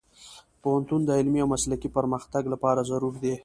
پوهنتون د علمي او مسلکي پرمختګ لپاره ضروري دی.